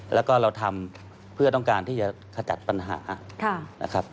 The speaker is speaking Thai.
แล้วก็เราทำเพื่อต้องการที่จะขจัดปัญหานะครับ